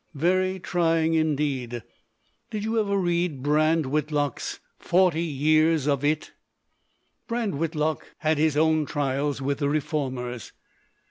"Very trying, indeed. Did you ever read Brand Whitlock's Forty Years of It? Brand Whitlock had his own trials with the reformers.